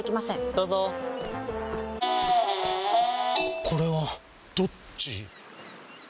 どうぞこれはどっち？